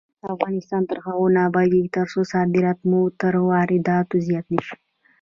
افغانستان تر هغو نه ابادیږي، ترڅو صادرات مو تر وارداتو زیات نشي.